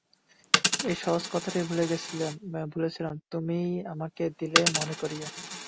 এই সহজ কথাটাই ভুলে ছিলেম, তুমিই আমাকে দিলে মনে করিয়ে।